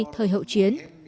thời hậu chiến